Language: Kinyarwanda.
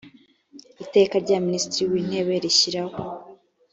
iteka rya minisitiri w intebe rishyiraho